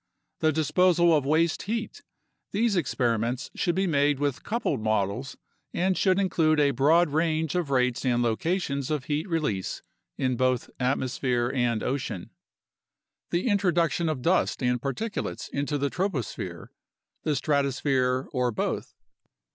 The disposal of waste heat. These experiments should be made with coupled models and should include a broad range of rates and locations of heat release in both atmosphere and ocean. The introduction of dust and particulates into the troposphere, the stratosphere, or both.